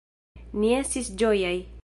Ni estis ĝojaj.